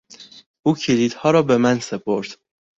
او کلیدها را به من سپرد.